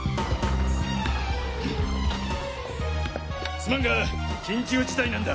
すまんが緊急事態なんだ。